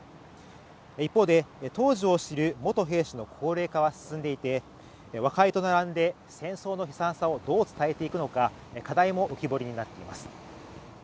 一方で当時を知る元兵士の高齢化は進んでいて和解と並んで戦争の悲惨さをどう伝えていくのか課題も浮き彫りになっています